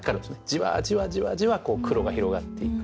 じわじわじわじわ黒が広がっていく。